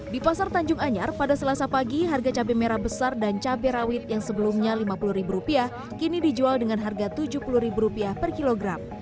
di pasar tanjung anyar pada selasa pagi harga cabai merah besar dan cabai rawit yang sebelumnya rp lima puluh kini dijual dengan harga rp tujuh puluh per kilogram